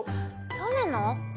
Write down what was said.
そうなの？